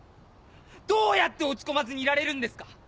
どうやって落ち込まずにいられるんですか‼